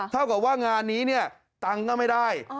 เท่ากับว่างานนี้เนี่ยตังค์ก็ไม่ได้